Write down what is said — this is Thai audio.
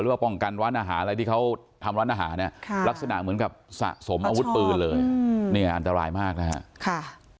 ว่าป้องกันร้านอาหารอะไรที่เขาทำร้านอาหารเนี่ยลักษณะเหมือนกับสะสมอาวุธปืนเลยเนี่ยอันตรายมากนะครับ